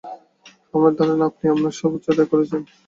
আমার ধারণা আপনি আপনার সর্বোচ্চটাই করেছেন।